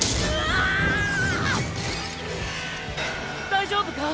大丈夫か！？